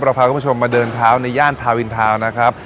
เราพาคุณผู้ชมมาเดินเท้าในย่านนะครับ